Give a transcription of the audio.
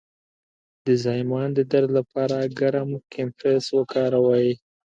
د زایمان د درد لپاره ګرم کمپرس وکاروئ